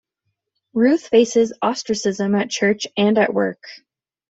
Ruth faces ostracism at church and at work.